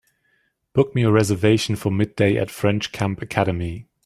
Book me a reservation for midday at French Camp Academy